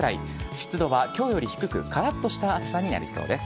湿度はきょうより低く、からっとした暑さになりそうです。